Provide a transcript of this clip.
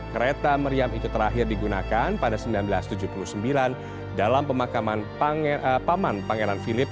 kereta meriam itu terakhir digunakan pada seribu sembilan ratus tujuh puluh sembilan dalam pemakaman paman pangeran philip